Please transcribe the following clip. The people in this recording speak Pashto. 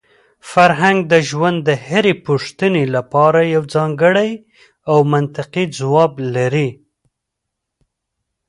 فرهنګ د ژوند د هرې پوښتنې لپاره یو ځانګړی او منطقي ځواب لري.